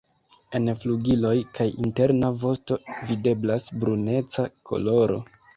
En flugiloj kaj interna vosto videblas bruneca koloro.